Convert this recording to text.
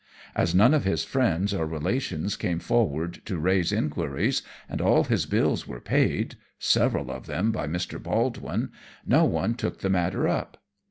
As none of his friends or relations came forward to raise enquiries, and all his bills were paid several of them by Mr. Baldwin no one took the matter up.